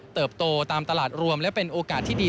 เติบโตตามตลาดรวมและเป็นโอกาสที่ดี